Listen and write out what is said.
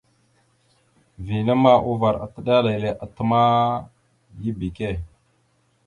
Vina ma uvar atəɗálele atəmáya ebeke.